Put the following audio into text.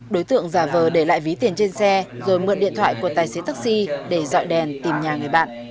đối tượng giả vờ để lại ví tiền trên xe rồi mượn điện thoại của tài xế taxi để dọn đèn tìm nhà người bạn